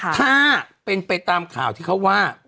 ถ้าเป็นไปตามข่าวที่เขาว่า